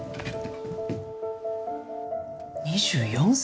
２４歳。